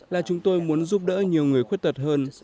là chúng tôi muốn giúp đỡ nhiều người khuyết tật hơn